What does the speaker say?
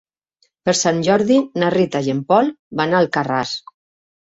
Per Sant Jordi na Rita i en Pol van a Alcarràs.